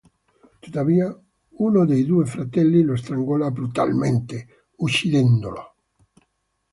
Tuttavia, uno dei due fratelli lo strangola brutalmente uccidendolo.